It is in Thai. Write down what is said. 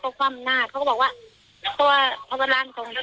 เขาก็ถามโอมมาไหมโอมมาไหมเพราะทีนี้ประเต็นเขาก็ร้องไห้